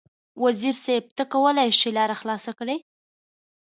وزیر صیب ته کولای شې چې لاره خلاصه کړې.